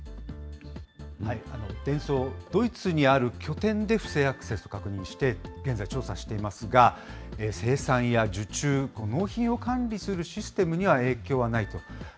デンソー、ドイツにある拠点で不正アクセス確認して現在、調査していますが、生産や受注・納品を管理するシステムには影響はないと。